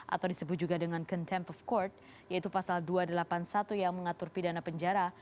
atau disebut juga dengan contempt of court yaitu pasal dua ratus delapan puluh satu yang mengatur pidana penjara